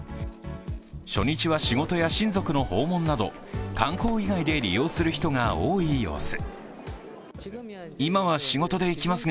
初日は仕事や親族の訪問など観光以外で利用する人が多い様子。